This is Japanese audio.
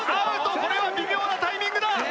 これは微妙なタイミングだ！